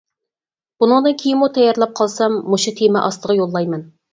بۇنىڭدىن كېيىنمۇ تەييارلاپ قالسام، مۇشۇ تېما ئاستىغا يوللايمەن.